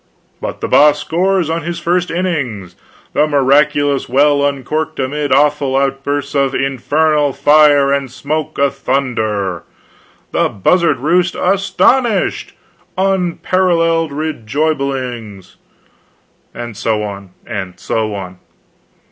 But the Boss scores on his first Innings! The Miraculous Well Uncorked amid awful outbursts of INFERNAL FIRE AND SMOKE ATHUNDER! THE BUZZARD ROOST ASTONISHED! UNPARALLELED REJOIBINGS! and so on, and so on.